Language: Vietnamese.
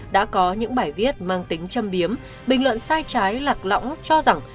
đã có những bài viết mang tính châm biếm bình luận sai trái lạc lõng cho rằng